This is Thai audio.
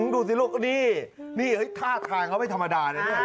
ดูสิลูกนี่นี่คาข้างเขาไม่ธรรมดานี่